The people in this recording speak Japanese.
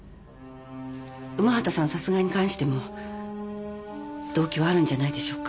午端さん殺害に関しても動機はあるんじゃないでしょうか？